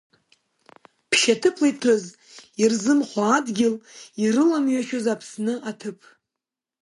Ԥшьаҭыԥла иҭәыз ирзымхо адгьыл, ирыламҩашьоз Аԥсны аҭыԥ.